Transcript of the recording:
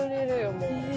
もう。